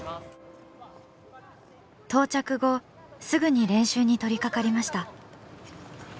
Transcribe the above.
到着後すぐに練習に取りかかりました。